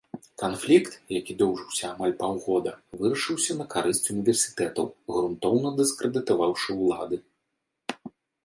Канфлікт, які доўжыўся амаль паўгода, вырашыўся на карысць універсітэтаў, грунтоўна дыскрэдытаваўшы улады.